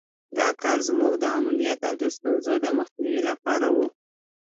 دا کار زموږ د امنیت او د ستونزو مخنیوي لپاره وو.